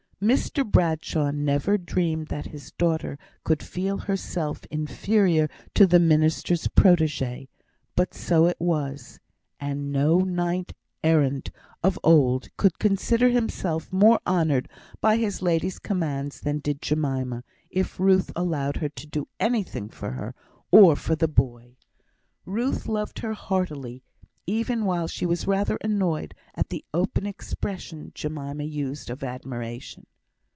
Mr Bradshaw never dreamed that his daughter could feel herself inferior to the minister's protegée, but so it was; and no knight errant of old could consider himself more honoured by his ladye's commands than did Jemima, if Ruth allowed her to do anything for her or for her boy. Ruth loved her heartily, even while she was rather annoyed at the open expressions Jemima used of admiration.